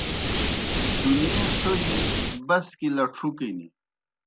دُنیے څھوْجیْ بسکیْ لڇُھکِن